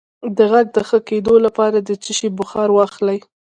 د غږ د ښه کیدو لپاره د څه شي بخار واخلئ؟